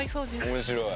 面白い。